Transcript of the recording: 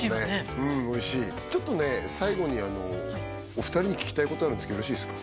うんおいしいちょっとね最後にあのお二人に聞きたいことあるんですけどよろしいですか？